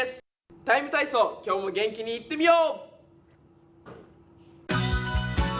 「ＴＩＭＥ，体操」、今日も元気にいってみよう！